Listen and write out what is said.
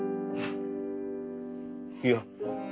いや。